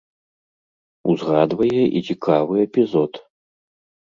Узгадвае і цікавы эпізод.